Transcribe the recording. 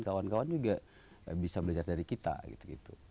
kawan kawan juga bisa belajar dari kita gitu gitu